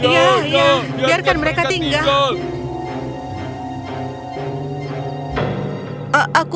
ya biarkan mereka tinggal